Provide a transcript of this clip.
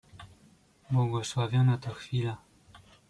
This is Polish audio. "Błogosławiona to chwila!"